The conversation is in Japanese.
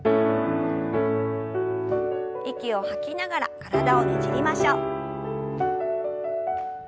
息を吐きながら体をねじりましょう。